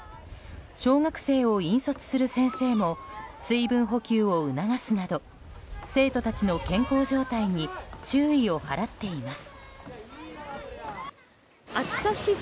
小学生を引率する先生も水分補給を促すなど生徒たちの健康状態に注意を払っています。